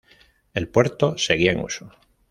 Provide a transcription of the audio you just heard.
El puerto seguía en uso.